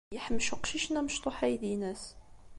Yeḥmec uqcic-nni amecṭuḥ aydi-ines.